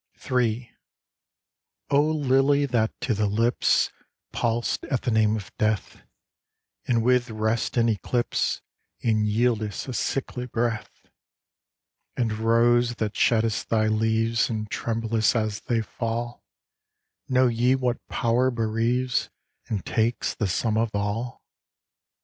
III O Lily that to the lips Pal'st at the name of death, And with'rest in eclipse, And yieldest a sickly breath: And Rose that sheddest thy leaves And tremblest as they fall,— Know ye what power bereaves And takes the sum of all?